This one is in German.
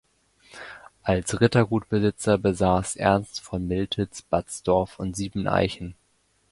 Als Rittergutsbesitzer besaß Ernst von Miltitz Batzdorf und Siebeneichen.